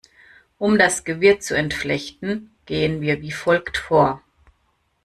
Um das Gewirr zu entflechten, gehen wir wie folgt vor.